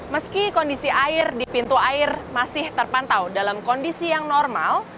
meski kondisi air di pintu air masih terpantau dalam kondisi yang normal